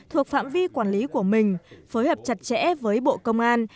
thuộc phạm vi quản lý của mình phối hợp chặt chẽ với bộ công an